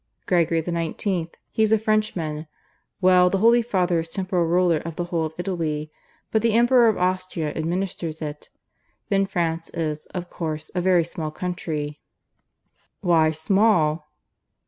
"Gregory the Nineteenth. He's a Frenchman. Well, the Holy Father is Temporal Ruler of the whole of Italy; but the Emperor of Austria administers it. Then France is, of course, a very small country." "Why small?"